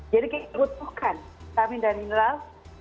jadi kita butuhkan vitamin dan mineral